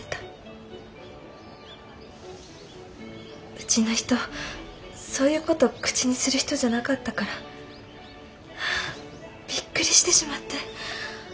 うちの人そういう事口にする人じゃなかったからびっくりしてしまって。